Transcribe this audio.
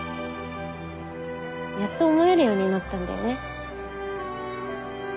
やっと思えるようになったんだよね。